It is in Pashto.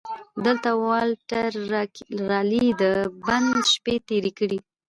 دلته والټر رالي د بند شپې تېرې کړې.